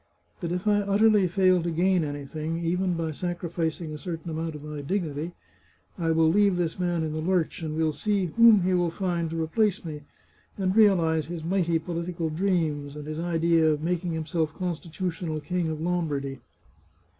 But if I utterly fail to gain anything, even by sacrificing a certain amount of my dignity, I will leave this man in the lurch, and we'll see whom he will find to replace me, and realize his mighty political dreams, and his idea of making himself constitutional King of Lombardy!